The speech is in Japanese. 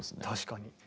確かに。